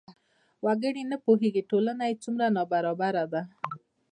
وګړي نه پوهېږي ټولنه یې څومره نابرابره ده.